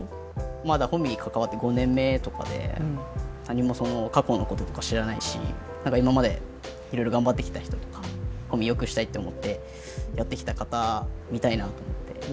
まだ保見に関わって５年目とかで何も過去のこととか知らないし何か今までいろいろ頑張ってきた人とか保見良くしたいと思ってやってきた方見たいなと思って。